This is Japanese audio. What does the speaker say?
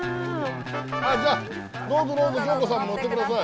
じゃあどうぞどうぞ恭子さんも乗って下さい。